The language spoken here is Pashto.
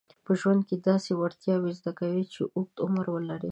په ژوند کې داسې وړتیاوې زده کوي چې اوږد عمر ولري.